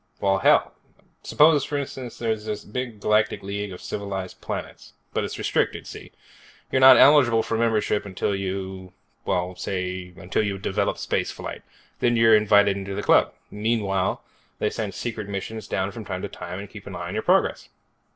"Well, hell, suppose for instance there's this big Galactic League of civilized planets. But it's restricted, see. You're not eligible for membership until you, well, say until you've developed space flight. Then you're invited into the club. Meanwhile, they send secret missions down from time to time to keep an eye on your progress."